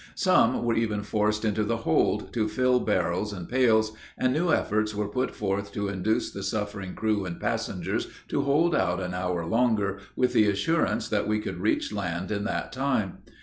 Some were even forced into the hold, to fill barrels and pails, and new efforts were put forth to induce the suffering crew and passengers to hold out an hour longer, with the assurance that we could reach land in that time.